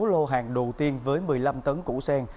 lô hàng đầu tiên với một mươi năm tấn củ sen